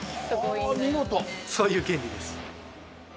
そういう原理です。